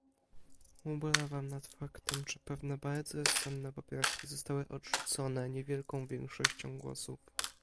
Ubolewam nad faktem, że pewne bardzo rozsądne poprawki zostały odrzucone niewielką większością głosów